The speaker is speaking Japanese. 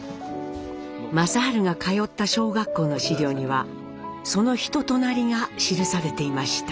正治が通った小学校の資料にはその人となりが記されていました。